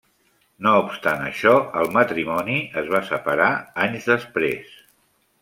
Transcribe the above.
No obstant això, el matrimoni es va separar anys després.